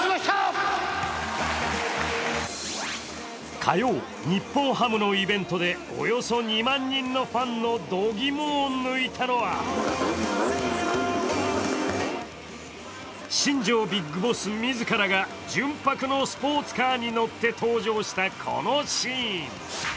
火曜、日本ハムのイベントでおよそ２万人のファンの度肝を抜いたのは新庄ビッグボス自らが純白のスポーツカーに乗って登場した、このシーン。